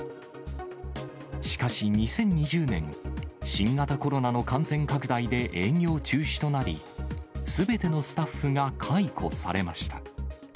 しかし２０２０年、新型コロナの感染拡大で営業中止となり、すべてのスタッフが解雇されました。